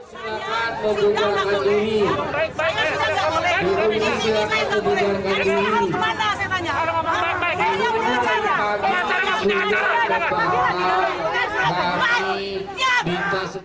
hai silakan membuatkan ini baik baik saya tidak boleh ini saya tidak boleh ini